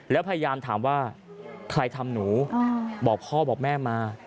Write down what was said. แล้วพยายามถามว่าใครทำหนูบอกพ่อบอกแม่มา